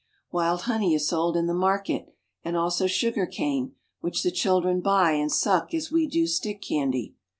Wild honey is sold in the market, and also sugar cane, frhich the children buy and suck as we do stick candy.